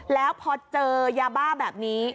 แล้วพอเจอยาบ้าแบบนี้